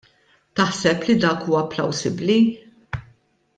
Taħseb li dak huwa plawsibbli?